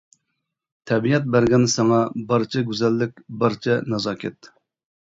تەبىئەت بەرگەن ساڭا بارچە گۈزەللىك بارچە نازاكەت.